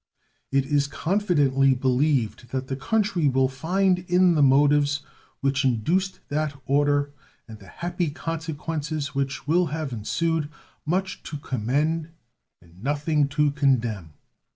It is confidently believed that the country will find in the motives which induced that order and the happy consequences which will have ensued much to commend and nothing to condemn.